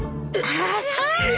あら？